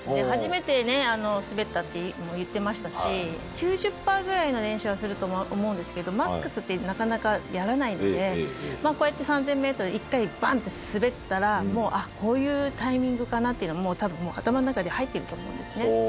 初めてね、滑ったって言ってましたし、９０パーぐらいの練習はすると思うんですけど、マックスってなかなかやらないので、こうやって３０００メートル、１回、ばんって滑ったら、もう、あっ、こういうタイミングかな？っていうのは、もうたぶん、頭の中で入っていると思うんですね。